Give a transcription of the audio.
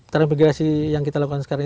transmigrasi yang kita lakukan sekarang